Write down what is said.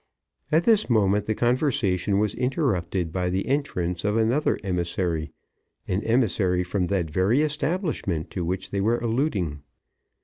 At this moment the conversation was interrupted by the entrance of another emissary, an emissary from that very establishment to which they were alluding.